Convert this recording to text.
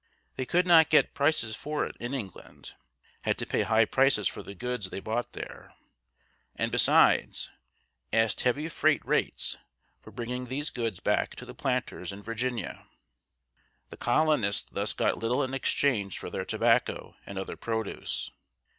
They could not get good prices for it in England, had to pay high prices for the goods they bought there, and, besides, asked heavy freight rates for bringing these goods back to the planters in Virginia. The colonists thus got little in exchange for their tobacco and other produce.